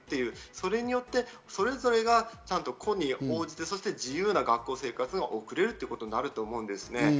それによって、それぞれが個に応じて自由な学校生活が送れるということになると思うんです。